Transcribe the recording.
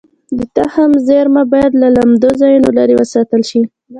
د تخم زېرمه باید له لمدو ځایونو لرې وساتل شي.